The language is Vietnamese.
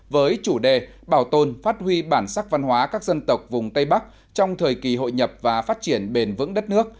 với chủ đề bảo tồn phát huy bản sắc văn hóa các dân tộc vùng tây bắc trong thời kỳ hội nhập và phát triển bền vững đất nước